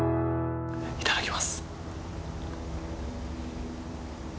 いただきます。